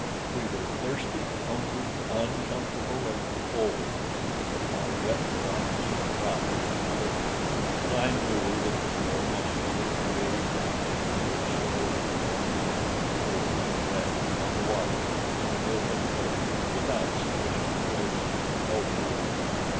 We were thirsty, hungry, uncomfortable, and cold. Our wet garments had dried but little and I knew that the girl must be in grave danger from the exposure to a night of cold and wet upon the water in an open boat, without sufficient clothing and no food.